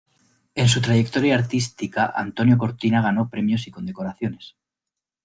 En su trayectoria artística, Antonio Cortina ganó premios y condecoraciones.